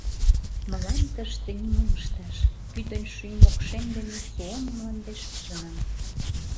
— Мылам тыште нимом ышташ — пӱтынь шӱм-мокшем дене Суоми мландеш пижынам...